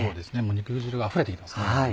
肉汁があふれています。